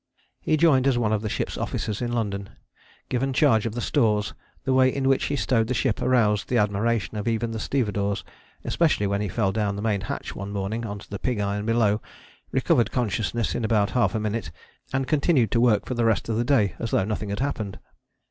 He joined as one of the ship's officers in London. Given charge of the stores, the way in which he stowed the ship aroused the admiration of even the stevedores, especially when he fell down the main hatch one morning on to the pig iron below, recovered consciousness in about half a minute, and continued work for the rest of the day as though nothing had happened.